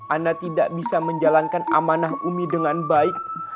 anda tidak bisa menjalankan amanah umi dengan baik